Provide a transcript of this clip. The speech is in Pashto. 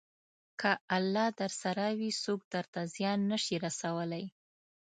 که الله درسره وي، څوک درته زیان نه شي رسولی.